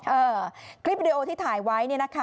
เออคลิปวิดีโอที่ถ่ายไว้เนี่ยนะคะ